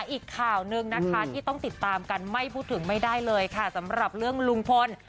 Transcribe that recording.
อีกข่าวหนึ่งนะคะที่ต้องติดตามกันไม่พูดถึงไม่ได้เลยค่ะสำหรับเรื่องลุงพล